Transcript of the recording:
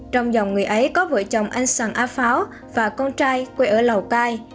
trong dòng người ấy có vợ chồng anh sàng a pháo và con trai quê ở lào cai